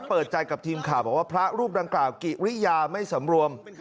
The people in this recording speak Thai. เปิดใจกับทีมข่าวบอกว่าพระรูปดังกล่าวกิริยาไม่สำรวม